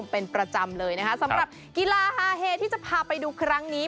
เป็นประจำเลยนะคะสำหรับกีฬาฮาเฮที่จะพาไปดูครั้งนี้